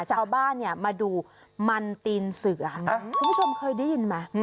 ชาวบ้านเนี่ยมาดูมันตีนเสือคุณผู้ชมเคยได้ยินไหม